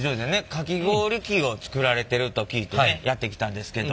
かき氷機を作られてると聞いてねやって来たんですけど。